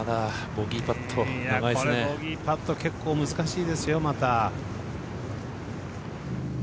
ボギーパット結構難しいですよまた。